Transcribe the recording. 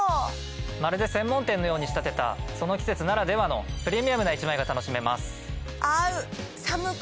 まるで専門店のように仕立てたその季節ならではの。が楽しめます。